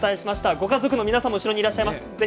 ご家族の皆さんも後ろにいらっしゃいます。